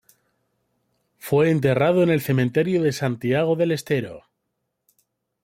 Fue enterrado en el cementerio de Santiago del Estero.